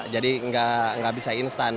jadi gak bisa instan